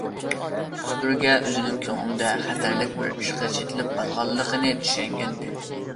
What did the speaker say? سۈپۈرگە ئۆزىنىڭ كۆڭلىدە خەتەرلىك بىر ئىشقا چېتىلىپ قالغانلىقىنى چۈشەنگەنىدى.